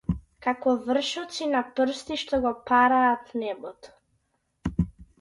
Како вршоци на прсти што го параат небото.